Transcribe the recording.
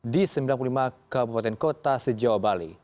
di sembilan puluh lima kabupaten kota sejauh bali